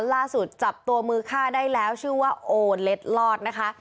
ล่าสุดจับตัวมือฆ่าได้แล้วชื่อว่าโอเล็ดลอดนะคะ